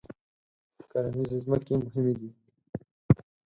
کرنیزې ځمکې مهمې دي.